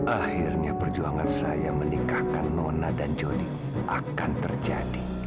akhirnya perjuangan saya menikahkan nona dan jody akan terjadi